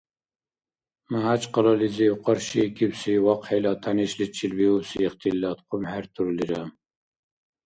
МяхӀячкъалализив къаршиикибси вахъхӀила тянишличил биубси ихтилат хъумхӀертурлира.